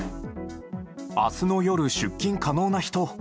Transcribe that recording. あすの夜、出勤可能な人。